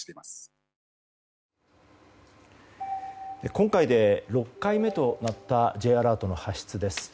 今回で６回目となったＪアラートの発出です。